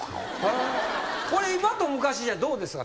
今と昔じゃどうですか？